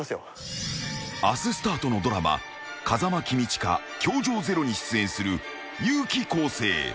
［明日スタートのドラマ『風間公親教場０』に出演する結木滉星］